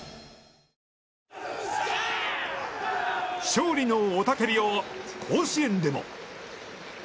勝利の雄たけびを甲子園でも。